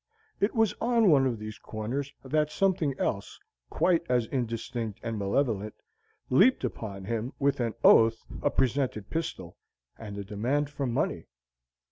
It was on one of these corners that something else, quite as indistinct and malevolent, leaped upon him with an oath, a presented pistol, and a demand for money.